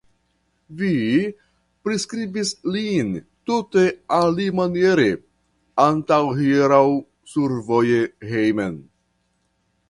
Vi priskribis lin tute alimaniere antaŭhieraŭ survoje hejmen.